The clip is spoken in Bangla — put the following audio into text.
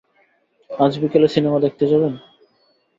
আজ বিকেলে সিনেমা দেখতে যাবেন?